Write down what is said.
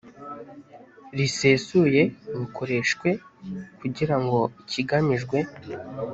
risesuye bukoreshwe kugira ngo ikigamijwe